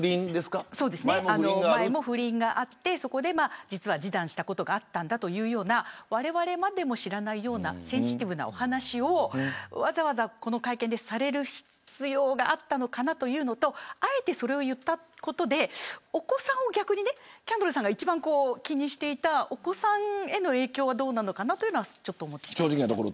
前も不倫があって示談したことがあったというようなわれわれも知らないようなセンシティブなお話をわざわざこの会見でされる必要があったのかというのとあえてそれを言ったことで逆にキャンドルさんが一番気にしていたお子さんへの影響がどうなのかなと思ってしまいました。